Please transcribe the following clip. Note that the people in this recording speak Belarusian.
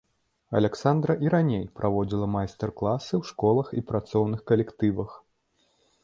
Аляксандра і раней праводзіла майстар-класы ў школах і працоўных калектывах.